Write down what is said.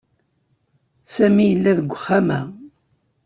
Sami yella deg uxxam-a.